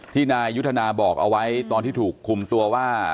นายยุทธนาบอกเอาไว้ตอนที่ถูกคุมตัวว่า